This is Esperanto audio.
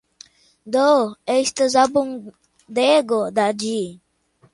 Do, estas abundego da ĝi.